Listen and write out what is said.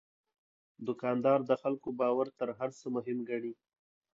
دوکاندار د خلکو باور تر هر څه مهم ګڼي.